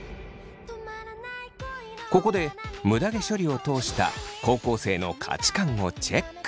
ここでむだ毛処理を通した高校生の価値観をチェック。